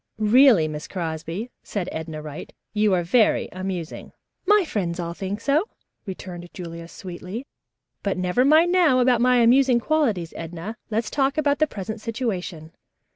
"Really, Miss Crosby," said Edna Wright, "you are very amusing." "My friends all think so," returned Julia sweetly, "but never mind now about my amusing qualities, Edna. Let's talk about the present situation."